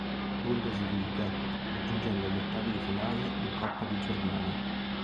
Bundesliga, raggiungendo gli ottavi di finale in Coppa di Germania.